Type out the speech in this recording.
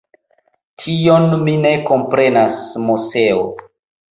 Tion mi ne komprenas, Moseo.